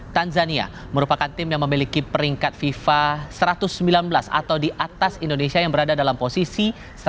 tanzania merupakan tim yang memiliki peringkat fifa satu ratus sembilan belas atau di atas indonesia yang berada dalam posisi satu